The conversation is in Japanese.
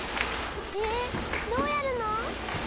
へえどうやるの？